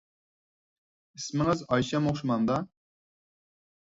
ئىسمىڭىز ئايشەم ئوخشىمامدا؟